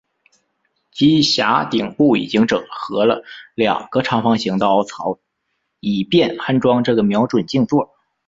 机匣顶部已经整合了两个长方形的凹槽以便安装这个瞄准镜座。